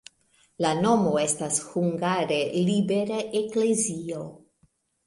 La nomo estas hungare libera-eklezio.